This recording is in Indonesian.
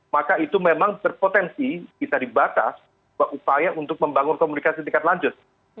maka itu memang berpotensi bisa dibatas upaya untuk membangun komunikasi tingkat lanjut